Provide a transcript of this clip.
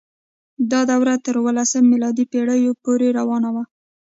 دا دوره تر اوولسمې میلادي پیړۍ پورې روانه وه.